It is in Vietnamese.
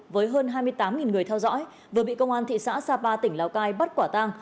với hơn hai mươi tám người theo dõi vừa bị công an thị xã sapa tỉnh lào cai bắt quả tang